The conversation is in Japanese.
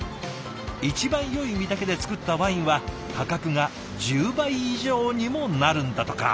一番よい実だけで造ったワインは価格が１０倍以上にもなるんだとか。